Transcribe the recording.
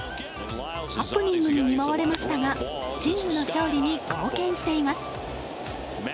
ハプニングに見舞われましたがチームの勝利に貢献しています。